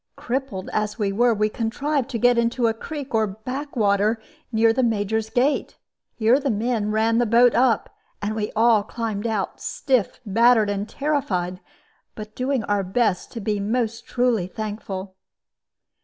Crippled as we were, we contrived to get into a creek, or backwater, near the Major's gate. Here the men ran the boat up, and we all climbed out, stiff, battered, and terrified, but doing our best to be most truly thankful.